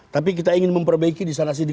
tapi kita ingin memperbaiki di sana sini